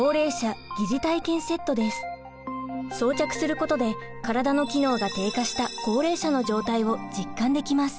装着することで体の機能が低下した高齢者の状態を実感できます。